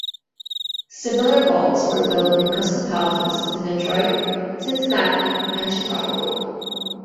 Similar vaults were built in custom houses in Detroit, Cincinnati, and Chicago.